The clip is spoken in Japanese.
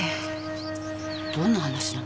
どんな話なの？